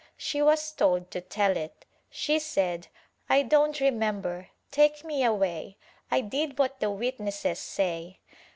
She was told to tell it. She said "I don't remember — take me away — I did what the witnesses say."